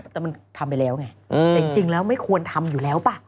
แต่มันทำไปแล้วไงแต่จริงแล้วไม่ควรทำอยู่แล้วป่ะ